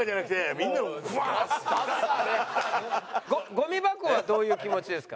ゴミ箱はどういう気持ちですか？